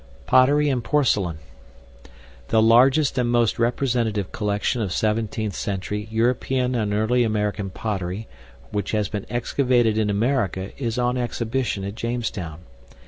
POTTERY AND PORCELAIN The largest and most representative collection of 17th century European and early American pottery which has been excavated in America is on exhibition at Jamestown.